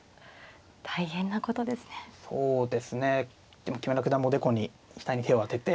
でも木村九段もおでこに額に手を当てて。